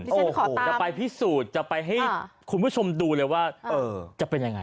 โอ้โหจะไปพิสูจน์จะไปให้คุณผู้ชมดูเลยว่าจะเป็นยังไง